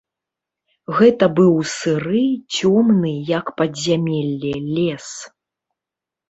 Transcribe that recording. Гэта быў сыры, цёмны, як падзямелле, лес.